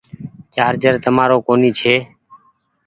چآرجر تمآرو ڪونيٚ چي۔